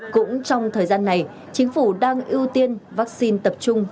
cũng trong thời gian này chính phủ đang ưu tiên vaccine tập trung